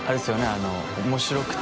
あの面白くて。